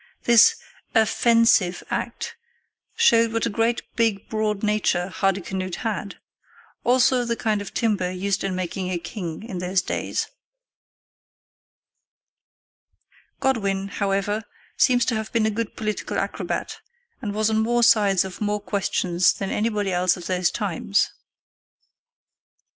This a fensive act showed what a great big broad nature Hardicanute had, also the kind of timber used in making a king in those days. Godwin, however, seems to have been a good political acrobat, and was on more sides of more questions than anybody else of those times.